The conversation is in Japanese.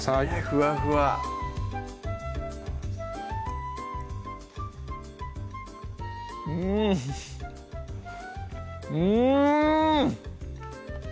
ふわふわうんうん！